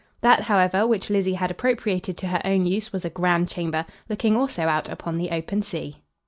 That, however, which Lizzie had appropriated to her own use was a grand chamber, looking also out upon the open sea.